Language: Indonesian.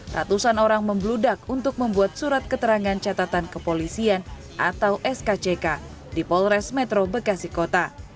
ratusan orang membludak untuk membuat surat keterangan catatan kepolisian atau skck di polres metro bekasi kota